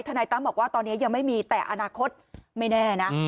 นายตั้มบอกว่าตอนนี้ยังไม่มีแต่อนาคตไม่แน่นะ